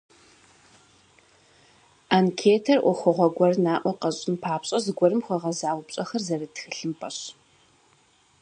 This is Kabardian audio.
Анкетэр ӏуэхугъуэ гуэр наӏуэ къэщӏын папщӏэ зыгуэрым хуэгъэза упщӏэхэр зэрыт тхылъымпӏэщ.